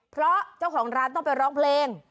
เพราะเจ้าของร้านต้องไปร้องเพลง